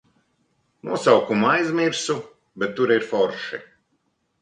Nosaukumu aizmirsu, bet tur ir forši.